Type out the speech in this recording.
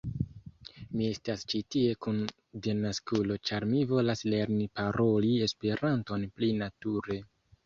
Mi estas ĉi tie kun denaskulo ĉar mi volas lerni paroli Esperanton pli nature